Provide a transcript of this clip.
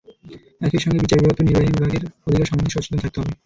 একই সঙ্গে বিচার বিভাগকেও নির্বাহী বিভাগের অধিকার সম্বন্ধে সচেতন থাকতে হবে।